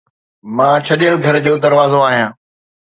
مان ڇڏيل گهر جو دروازو آهيان